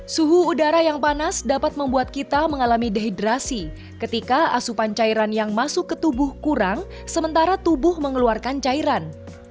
suhu udara yang panas dapat membuat kita mengalami dehidrasi ketika asupan cairan yang masuk ke tubuh kurang sementara tubuh mengeluarkan cairan